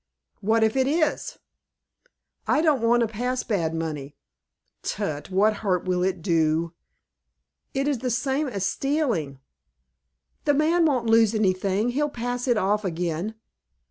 "What if it is?" "I don't want to pass bad money." "Tut, what hurt will it do?" "It is the same as stealing." "The man won't lose anything. He'll pass it off again."